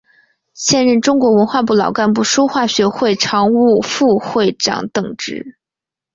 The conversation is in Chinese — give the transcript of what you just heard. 现任中国文化部老干部书画学会常务副会长等职。